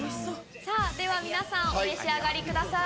では皆さんお召し上がりください。